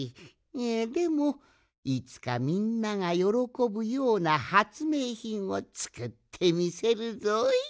でもいつかみんながよろこぶようなはつめいひんをつくってみせるぞい。